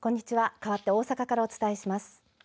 かわって大阪からお伝えします。